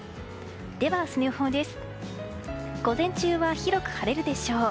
では、明日の予報です。